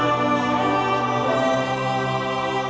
jangan lupahow many had elements